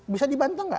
bisa dibantu nggak